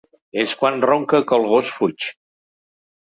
És quan ronca que el gos fuig.